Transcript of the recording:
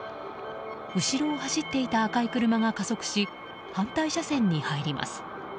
後ろを走っていた赤い車が加速し反対車線に入ります。